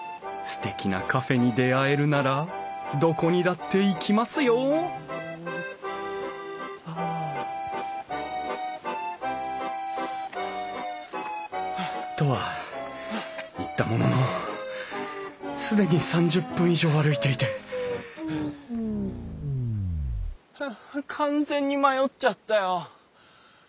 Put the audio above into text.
すてきなカフェに出会えるならどこにだって行きますよ！とは言ったものの既に３０分以上歩いていてはあ完全に迷っちゃったよ。